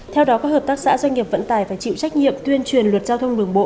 theo đó các hợp tác xã doanh nghiệp vận tải phải chịu trách nhiệm tuyên truyền luật giao thông đường bộ